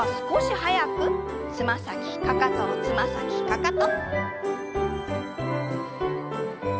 速くつま先かかとつま先かかと。